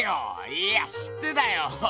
いや知ってたよ